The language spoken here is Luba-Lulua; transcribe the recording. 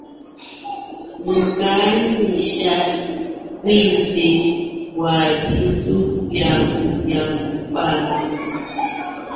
Mukuanyisha bwimpe bwa bintu baibo bia kupana.